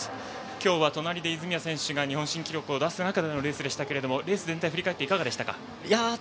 今日は隣で泉谷選手が日本新記録を出す中でのレースでしたがレース全体振り返っていかがですか。